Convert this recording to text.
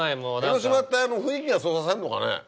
江の島って雰囲気がそうさせんのかね？